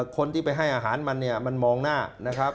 คนที่ไปให้อาหารมันเนี่ยมันมองหน้านะครับ